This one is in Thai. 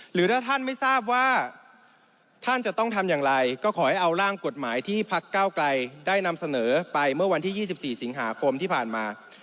หรือถ้าท่านไม่ทราบว่าท่านจะต้องทำอย่างไรก็ขอให้เอาร่างกฎหมายที่พักเก้าไกลได้นำเสนอไปเมื่อวันที่๒๔สิงหาคมที่ผ่านมา